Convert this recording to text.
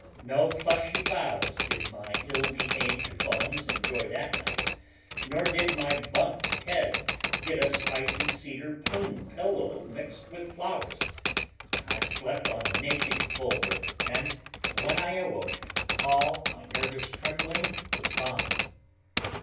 No plushy boughs did my ill behaved bones enjoy that night, nor did my bumped head get a spicy cedar plume pillow mixed with flowers. I slept on a naked boulder, and when I awoke all my nervous trembling was gone.